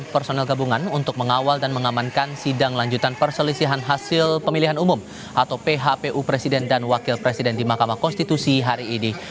personel gabungan untuk mengawal dan mengamankan sidang lanjutan perselisihan hasil pemilihan umum atau phpu presiden dan wakil presiden di mahkamah konstitusi hari ini